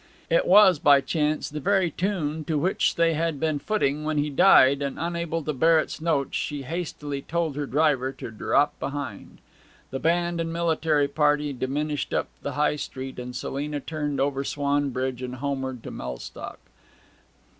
It was, by chance, the very tune to which they had been footing when he died, and unable to bear its notes, she hastily told her driver to drop behind. The band and military party diminished up the High Street, and Selina turned over Swan bridge and homeward to Mellstock.